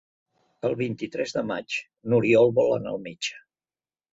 El vint-i-tres de maig n'Oriol vol anar al metge.